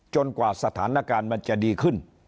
กว่าสถานการณ์มันจะดีขึ้น